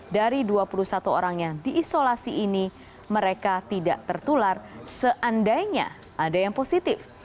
dari dua puluh satu orang yang diisolasi ini mereka tidak tertular seandainya ada yang positif